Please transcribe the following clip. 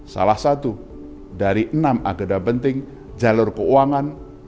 salah satu dari enam agenda penting jalur keuangan